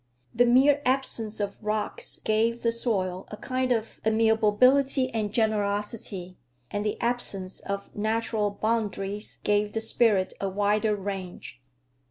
The mere absence of rocks gave the soil a kind of amiability and generosity, and the absence of natural boundaries gave the spirit a wider range.